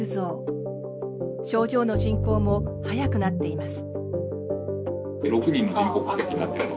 症状の進行も速くなっています。